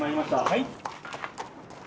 はい。